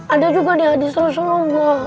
ada juga di hadis rasulullah